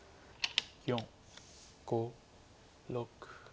４５６。